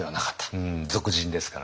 俗人ですからね。